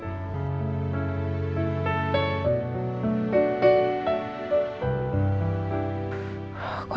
aduh tebelin lipstick sedikit deh